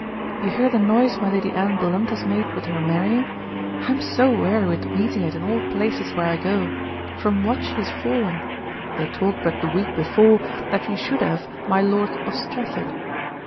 You hear the noise my Lady Anne Blunt has made with her marrying? I am so weary with meeting it in all places where I go; from what is she fallen! they talked but the week before that she should have my Lord of Strafford.